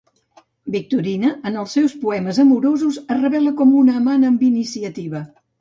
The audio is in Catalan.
Victorina, en els seus poemes amorosos es revelava com una amant amb iniciativa.